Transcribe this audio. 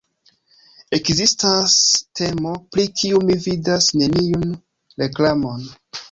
Ekzistas temo pri kiu mi vidas neniun reklamon: